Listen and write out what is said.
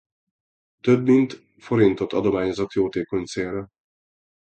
Több mint forintot adományozott jótékony célra.